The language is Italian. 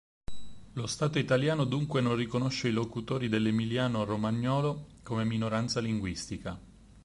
Lo Stato italiano dunque non riconosce i locutori dell'emiliano-romagnolo come minoranza linguistica.